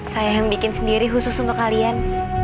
saya yang bikin sendiri khusus untuk kalian